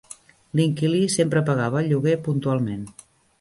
L'inquilí sempre pagava el llogar puntualment.